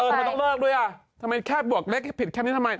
ต้องแอบด้วยทำไมแค่บวกเล็กผิดแค่นี้ทำไม